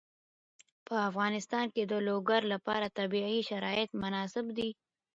په افغانستان کې د لوگر لپاره طبیعي شرایط مناسب دي.